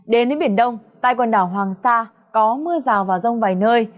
đến với biển đông tại quần đảo hoàng sa có mưa rào và rông vài nơi